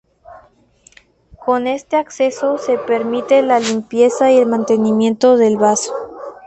Con este acceso se permite la limpieza y el mantenimiento del vaso.